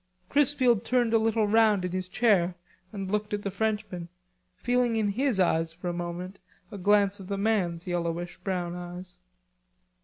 Chrisfield turned a little round in his chair and looked at the Frenchman, feeling in his eyes for a moment a glance of the man's yellowish brown eyes.